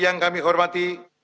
yang kami hormati